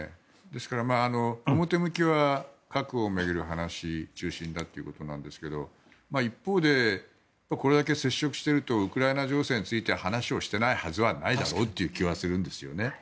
ですから、表向きは核を巡る話が中心だということですが一方で、これだけ接触しているとウクライナ情勢について話をしてないはずはないだろうって気はするんですよね。